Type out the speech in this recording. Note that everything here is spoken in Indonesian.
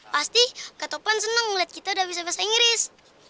pasti ketopan seneng ngeliat kita udah bisa bahasa inggris